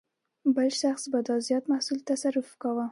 بل شخص به دا زیات محصول تصرف کاوه.